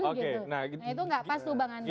nah itu gak pas tuh bang andri